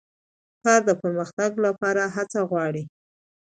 کار د پرمختګ لپاره هڅه غواړي